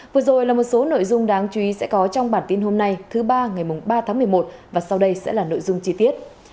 vừa rồi là một số nội dung đáng chú ý sẽ có trong bản tin hôm nay thứ ba ngày ba tháng một mươi một và sau đây sẽ là nội dung chi tiết